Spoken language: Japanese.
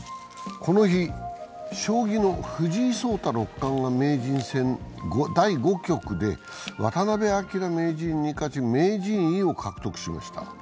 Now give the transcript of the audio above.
この日、将棋の藤井聡太六冠が名人戦第５局で渡辺明名人に勝ち名人位を獲得しました。